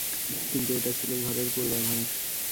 কিন্তু এটা ছিল ঝড়ের পূর্বাভাস।